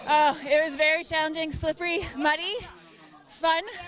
oh sangat menantang berlalu berlalu menyeramkan